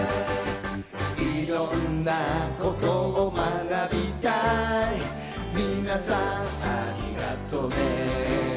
「色んなことを学びたいみなさんありがとね」